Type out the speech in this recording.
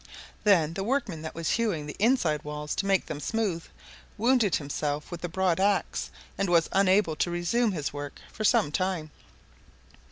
Then the workman that was hewing the inside walls to make them smooth, wounded himself with the broad axe, and was unable to resume his work for some time.